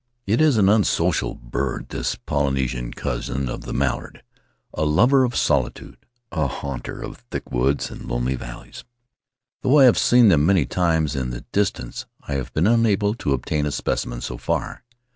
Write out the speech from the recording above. It is an unsocial bird, this Polynesian cousin of the mallard; a lover of soli tude, a haunter of thick woods and lonely valleys; though I have seen them many times in the distance, I have been unable to obtain a specimen so far.